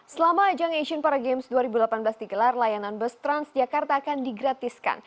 selama ajang asian para games dua ribu delapan belas digelar layanan bus transjakarta akan digratiskan